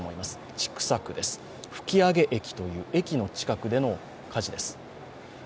千種区です、吹上駅という駅の近くでの火事です。